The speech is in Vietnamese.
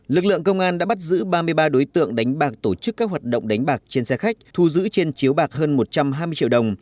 lực lượng công an đã bắt giữ ba mươi ba đối tượng đánh bạc tổ chức các hoạt động đánh bạc trên xe khách thu giữ trên chiếu bạc hơn một trăm hai mươi triệu đồng